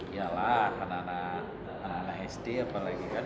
ya lah anak anak sd apalagi kan